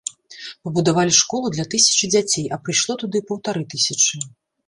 Пабудавалі школу для тысячы дзяцей, а прыйшло туды паўтары тысячы.